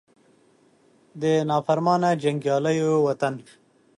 د نافرمانه جنګیالو وطنه